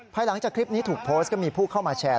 หลังจากคลิปนี้ถูกโพสต์ก็มีผู้เข้ามาแชร์